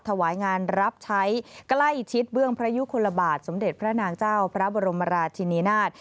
ถวายงานรับใช้ใกล้ชิดเบื้องพระยุคลบาทสมเด็จพระนางเจ้าพระบรมราชินีนาฏ